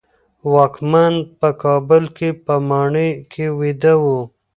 واکمن په کابل کې په ماڼۍ کې ویده و.